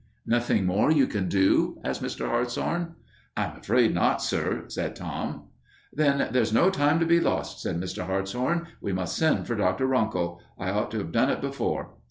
"Nothing more you can do?" asked Mr. Hartshorn. "I'm afraid not, sir," said Tom. "Then there's no time to be lost," said Mr. Hartshorn. "We must send for Dr. Runkle. I ought to have done it before."